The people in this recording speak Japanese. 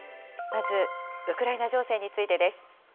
まず、ウクライナ情勢についてです。